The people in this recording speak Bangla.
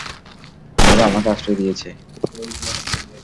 অন্যরা আমাকে আশ্রয় দিয়েছে।